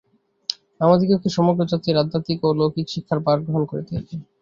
আমাদিগকে সমগ্র জাতির আধ্যাত্মিক ও লৌকিক শিক্ষার ভার গ্রহণ করিতে হইবে।